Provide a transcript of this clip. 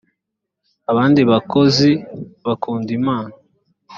abandi bakozi bakunda imana.